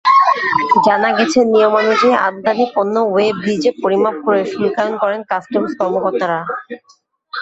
জানা গেছে, নিয়মানুযায়ী আমদানি পণ্য ওয়ে ব্রিজে পরিমাপ করে শুল্কায়ন করেন কাস্টমস কর্মকর্তারা।